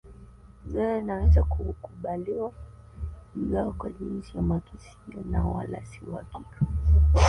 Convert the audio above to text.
Dhana inaweza kukubaliwa ingawa kwa jinsi ya makisio na wala si uhakika